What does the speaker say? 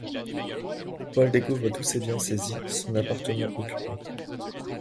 Paul découvre tous ses biens saisis, son appartement occupé...